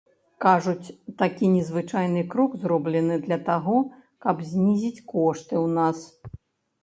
Кажуць, такі незвычайны крок зроблены для таго, каб знізіць кошты ў нас.